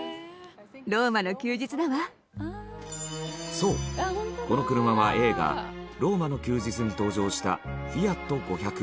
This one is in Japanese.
そうこの車は映画『ローマの休日』に登場したフィアット５００。